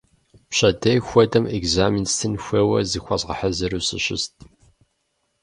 Пщэдей хуэдэм экзамен стын хуейуэ, зыхуэзгъэхьэзыру сыщыст.